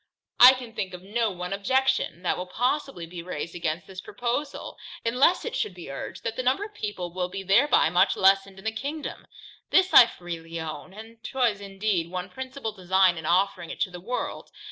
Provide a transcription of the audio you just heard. I can think of no one objection, that will possibly be raised against this proposal, unless it should be urged, that the number of people will be thereby much lessened in the kingdom. This I freely own, and was indeed one principal design in offering it to the world.